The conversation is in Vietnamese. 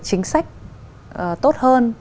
chính sách tốt hơn